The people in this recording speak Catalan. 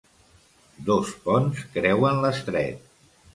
Dos ponts creuen l'estret.